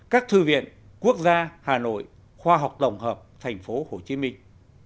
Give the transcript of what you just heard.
các thư viện quốc gia hà nội khoa học tổng hợp thành phố hồ chí minh